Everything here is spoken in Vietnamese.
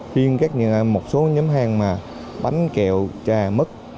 riêng một số nhóm hàng mà bánh kẹo trà mứt